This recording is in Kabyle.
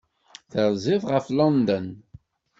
Terziḍ ɣef London.